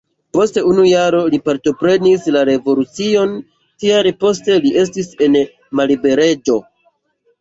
Post unu jaro li partoprenis la revolucion, tial poste li estis en malliberejo.